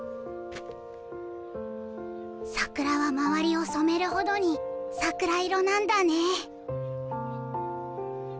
桜は周りを染めるほどに桜色なんだね。